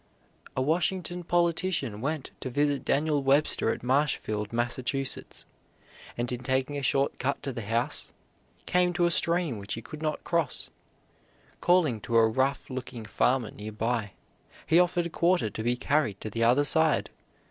A Washington politician went to visit Daniel Webster at Marshfield, Mass., and, in taking a short cut to the house, came to a stream which he could not cross. Calling to a rough looking farmer near by, he offered a quarter to be carried to the other side.